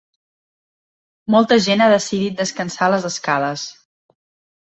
Molta gent ha decidit descansar a les escales.